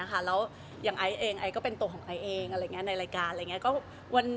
แล้วอย่างไอ้เองไอ้ก็เป็นตัวของไอ้เองในรายการ